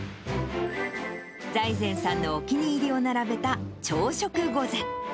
財前さんのお気に入りを並べた朝食ご膳。